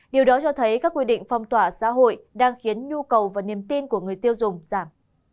điều đó cho thấy các quy định phong tỏa xã hội đang khiến nhu cầu và niềm tin của người tiêu dùng giảm